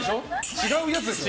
違うやつでしょ。